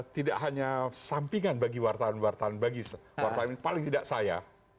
tidak hanya sampingan bagi wartawan wartawan bagi wartawan paling tidak saya